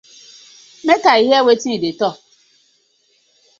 Mak I go heaar wetin im dey tok.